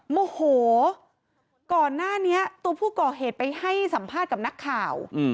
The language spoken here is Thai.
โมโหก่อนหน้านี้ตัวผู้ก่อเหตุไปให้สัมภาษณ์กับนักข่าว